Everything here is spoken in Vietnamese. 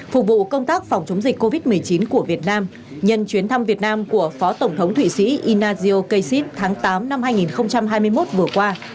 phục vụ công tác phòng chống dịch covid một mươi chín của việt nam nhân chuyến thăm việt nam của phó tổng thống thụy sĩ inajio kasip tháng tám năm hai nghìn hai mươi một vừa qua